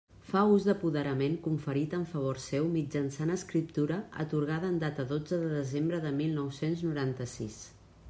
Fa ús d'apoderament conferit en favor seu mitjançant escriptura atorgada en data dotze de desembre de mil nou-cents noranta-sis.